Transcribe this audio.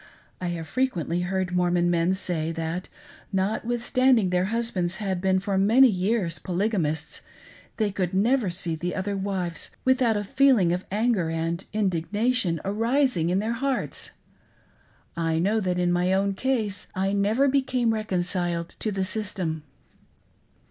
I have frequently heard Mor mon women say that, notwithstanding their husbands had been for many years polygamists, they could never see the .other wives without a feeling of anger and indignation arising in CULTIVATING BELINDA'S ACQUAINTANCE. 439 their hearts. I know that in my own case I never became reconciled to the system.